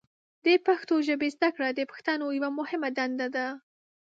د پښتو ژبې زده کړه د پښتنو یوه مهمه دنده ده.